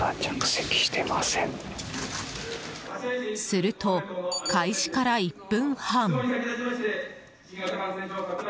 すると、開始から１分半。